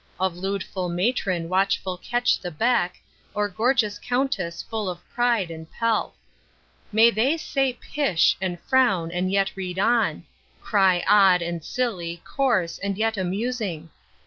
Of ludeful matron watchful catch the beck, Or gorgeous countess full of pride and pelf. They may say pish! and frown, and yet read on: Cry odd, and silly, coarse, and yet amusing.